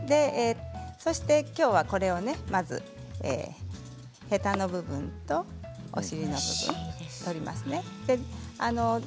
そして、きょうはこれをまずヘタの部分とお尻の部分取りますね。